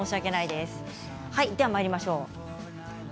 ではまいりましょうか。